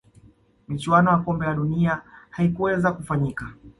michuano ya kombe la dunia halikuweza kufanyika